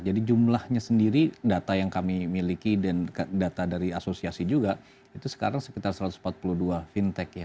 jadi jumlahnya sendiri data yang kami miliki dan data dari asosiasi juga itu sekarang sekitar satu ratus empat puluh dua fintech ya